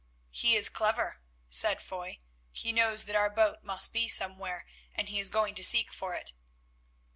"He is clever," said Foy; "he knows that our boat must be somewhere, and he is going to seek for it."